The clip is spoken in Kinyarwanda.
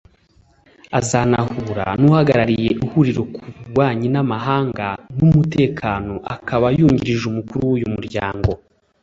Azanahura n’uhagarariye Ihuriro ku Bubanyi n’Amahanga n’Umutekano akaba yungirije Umukuru w’uyu Muryango